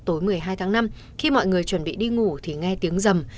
tối một mươi hai tháng năm khi mọi người chuẩn bị đi ngủ thì nghe tiếng dầm